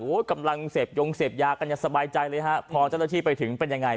โอ้โหกำลังเสพยงเสพยากันอย่างสบายใจเลยฮะพอเจ้าหน้าที่ไปถึงเป็นยังไง